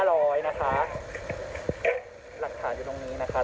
หลักฐานอยู่ตรงนี้นะคะเติมน้ำแข็งโอน๕๐๐